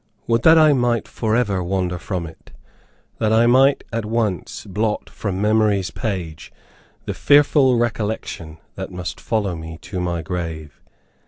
Would that I might forever wander from it that I might at once blot from memory's page, the fearful recollection that must follow me to my grave!